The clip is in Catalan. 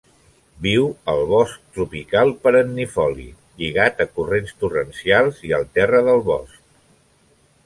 Viu al bosc tropical perennifoli lligat a corrents torrencials i al terra del bosc.